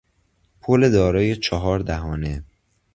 پل دارای چهار دهانه